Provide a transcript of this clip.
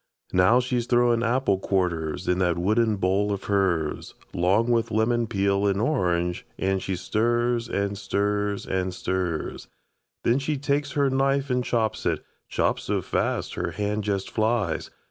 Now she's throwin' apple quarters In that wooden bowl of hers, 'Long with lemon peel and orange, An' she stirs, an' stirs, an' stirs. Then she takes her knife an' chops it, Chops so fast her hand jest flies.